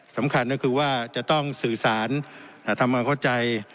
สำคัญก็คือว่าจะต้องสื่อสารทำความเข้าใจ